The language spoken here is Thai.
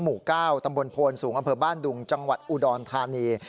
หมู่๙ตำบลโพนสูงอำเภอบ้านดุงจังหวัดอุดรธานี